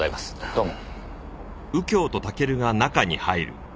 どうも。